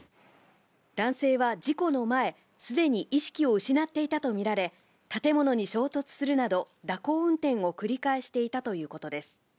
男性は事故の前、すでに意識を失っていたと見られ、建物に衝突するなど、蛇行運転を繰り返していたということです。